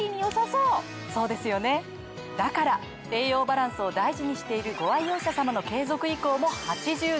そうですよねだから栄養バランスを大事にしているご愛用者様の継続意向も８７％！